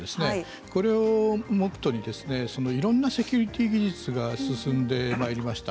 これをモットーにいろんなセキュリティー技術が進んでまいりました。